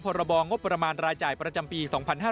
พรบงบประมาณรายจ่ายประจำปี๒๕๕๙